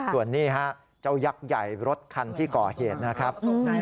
ส่วนนี้ฮะเจ้ายักษ์ใหญ่รถคันที่ก่อเหตุนะครับ